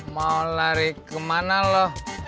mau lari kemana lo